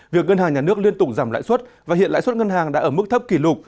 việc ngân hàng nhà nước liên tục giảm lãi suất và hiện lãi suất ngân hàng đã ở mức thấp kỷ lục